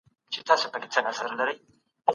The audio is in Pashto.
جرئت د بریا لومړنی شرط دی.